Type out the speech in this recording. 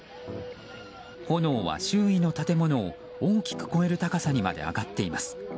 炎は周囲の建物を大きく超える高さにまで上がっています。